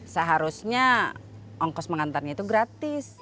seharusnya ongkos mengantarnya itu gratis